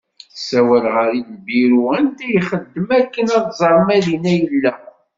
Tessawal ɣer lbiru anda ixeddem akken ad tẓer ma dinna i yella.